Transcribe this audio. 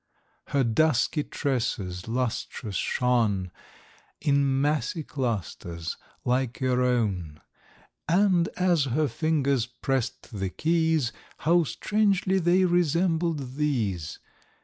Her dusky tresses lustrous shone, In massy clusters, like your own; And, as her fingers pressed the keys, How strangely they resembled these.